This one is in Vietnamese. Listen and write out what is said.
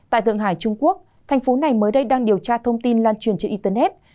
tại thượng hải trung quốc thành phố này mới đây đang điều tra thông tin lan truyền trên internet